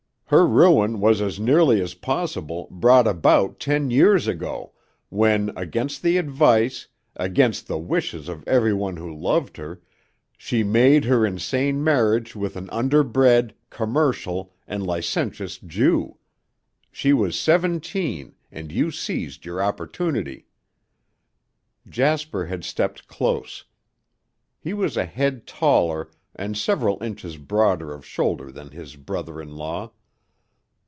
Her ruin was as nearly as possible brought about ten years ago, when against the advice, against the wishes of every one who loved her, she made her insane marriage with an underbred, commercial, and licentious Jew. She was seventeen and you seized your opportunity." Jasper had stepped close. He was a head taller and several inches broader of shoulder than his brother in law.